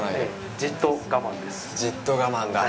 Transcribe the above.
じっと我慢だ。